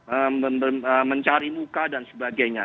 eee mencari muka dan sebagainya